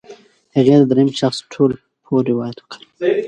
هغې د درېیم شخص ټولپوه روایت وکاراوه.